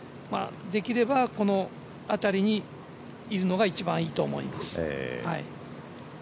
できればこのあたりにいるのが一番いいと思います。